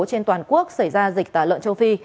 trên toàn quốc xảy ra dịch tả lợn châu phi